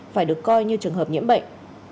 phải được coi như trường hợp nhiễm bệnh